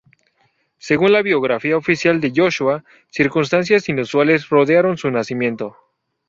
Según la biografía oficial de Joshua, circunstancias inusuales rodearon su nacimiento.